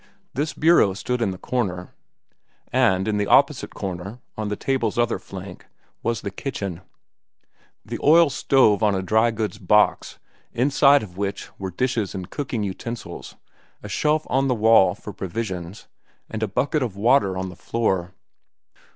This bureau stood in the corner, and in the opposite corner, on the table's other flank, was the kitchen—the oil stove on a dry goods box, inside of which were dishes and cooking utensils, a shelf on the wall for provisions, and a bucket of water on the floor.